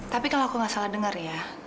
tapi kalau aku nggak salah dengar ya